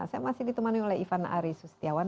saya masih ditemani oleh ivan ari sustiawan